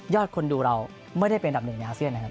คนดูเราไม่ได้เป็นอันดับหนึ่งในอาเซียนนะครับ